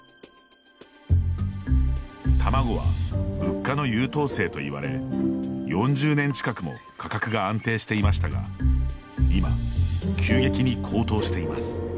卵は物価の優等生といわれ４０年近くも価格が安定していましたが今、急激に高騰しています。